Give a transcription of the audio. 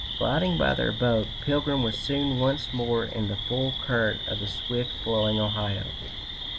Gliding by their boat, Pilgrim was soon once more in the full current of the swift flowing Ohio.